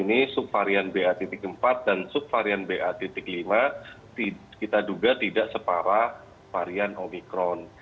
ini subvarian ba empat dan subvarian ba lima kita duga tidak separah varian omikron